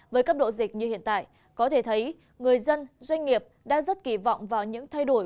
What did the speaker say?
với cấp độ dịch như hiện tại có thể thấy người dân doanh nghiệp đã rất kỳ vọng vào những thay đổi